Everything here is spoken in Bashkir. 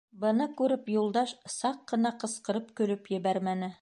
Быны күреп Юлдаш саҡ ҡына ҡысҡырып көлөп ебәрмәне.